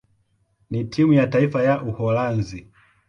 na timu ya taifa ya Uholanzi.